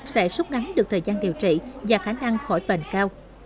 sẽ rút ngắn được thời gian điều trị và khả năng khỏi bệnh cao